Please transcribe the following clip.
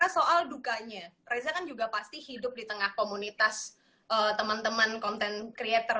soal dukanya reza kan juga pasti hidup di tengah komunitas teman teman content creator